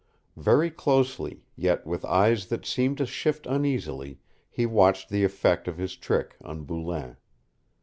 Very closely, yet with eyes that seemed to shift uneasily, he watched the effect of his trick on Boulain.